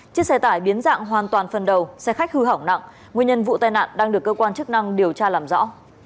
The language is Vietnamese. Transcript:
chiếc xe tải biến dạng hoàn toàn phần đầu xe khách hư hỏng nặng nguyên nhân vụ tai nạn đang được cơ quan chức năng điều tra làm rõ